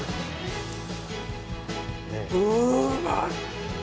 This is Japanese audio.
うまい！